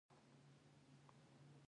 غزني د افغانانو د معیشت سرچینه ده.